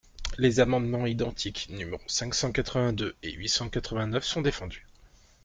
Les amendements identiques numéros cinq cent quatre-vingt-deux et huit cent quatre-vingt-neuf sont défendus.